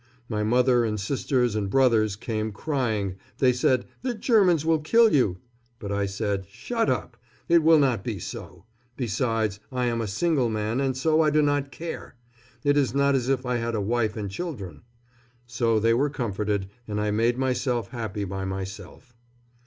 My mother and sisters and brothers came, crying. They said, "The Germans will kill you!" But I said, "Shut up! It will not be so. Besides, I am a single man, and so I do not care. It is not as if I had a wife and children." So they were comforted, and I made myself happy by myself.